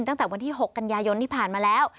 ตั้งแต่วันที่๖กันยายนที่ผ่านมาแล้ว